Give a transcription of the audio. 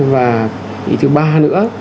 và ý thứ ba nữa